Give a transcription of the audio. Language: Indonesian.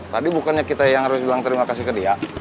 tadi bukannya kita yang harus bilang terima kasih ke dia